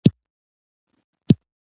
یوازې په تیوریکي توګه ژوند کول ښه وي.